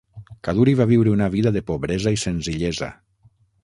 Kaduri va viure una vida de pobresa i senzillesa.